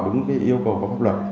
đúng cái yêu cầu có pháp luật